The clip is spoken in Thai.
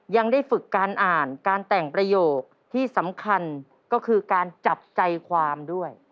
ยังได้ฝึกการอ่านการแต่งประโยคที่สำคัญก็คือการจับใจความด้วย